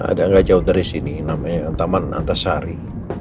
ada nggak jauh dari sini namanya taman antasari